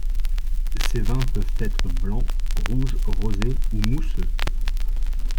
Ses vins peuvent être blanc, rouge, rosé ou mousseux.